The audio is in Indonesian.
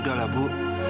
udah lah bu